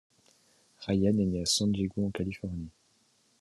Ryan est né à San Diego en Californie.